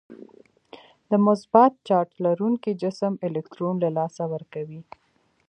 د مثبت چارج لرونکی جسم الکترون له لاسه ورکوي.